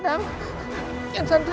aku yang membunuhnya